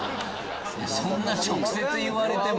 そんな直接言われても。